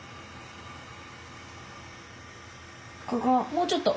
もうちょっと。